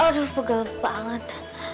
aduh pegal banget